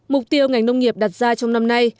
mục tiêu ngành nông nghiệp đặt ra trong năm nay